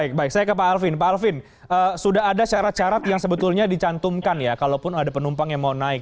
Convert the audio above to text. baik baik saya ke pak alvin pak alvin sudah ada syarat syarat yang sebetulnya dicantumkan ya kalaupun ada penumpang yang mau naik